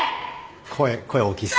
声声大きいっす。